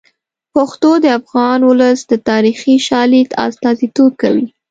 پښتو د افغان ولس د تاریخي شالید استازیتوب کوي.